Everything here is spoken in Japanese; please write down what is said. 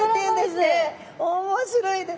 面白いです。